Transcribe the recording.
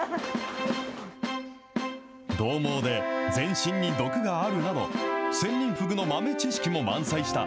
どう猛で、全身に毒があるなど、センニンフグの豆知識も満載した